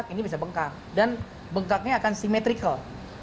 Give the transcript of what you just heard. ini bisa bengkak dan bengkaknya akan simetrical